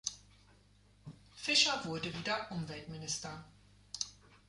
Fischer wurde wieder Umweltminister.